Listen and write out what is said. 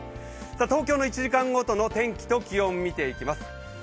東京の１時間ごとの天気と気温見ていきます。